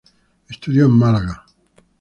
Estudió en Málaga.